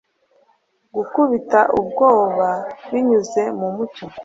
Gukubita ubwoba Binyuze mu mucyo